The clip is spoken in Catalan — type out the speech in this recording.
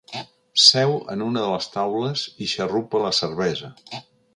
Seu en una de les taules i xarrupa la cervesa.